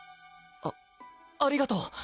あありがとう。